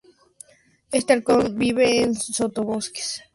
Este halcón vive en el sotobosque del bosque húmedo o en áreas densas semiabiertas.